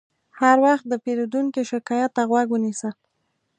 هر وخت د پیرودونکي شکایت ته غوږ ونیسه.